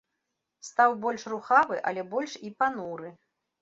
Стаў больш рухавы, але больш і пануры.